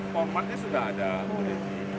formatnya sudah ada bu desi